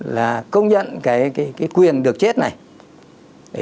là công nhận cái quyền được chết này